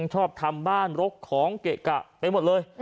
ชอบทำบ้านรกของเกะกะไปหมดเลย